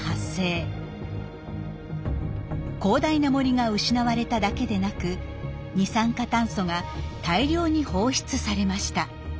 広大な森が失われただけでなく二酸化炭素が大量に放出されました。